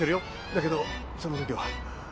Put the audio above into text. だけどその時は。